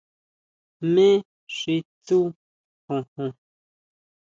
¿Jmé xi tsú xojon?